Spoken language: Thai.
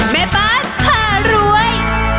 แม่บอร์ดพารวย